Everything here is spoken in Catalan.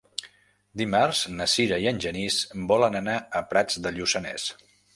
Dimarts na Sira i en Genís volen anar a Prats de Lluçanès.